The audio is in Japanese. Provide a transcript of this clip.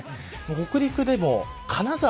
北陸でも、金沢